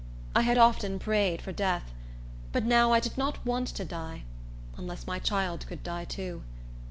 I had often prayed for death; but now I did not want to die, unless my child could die too.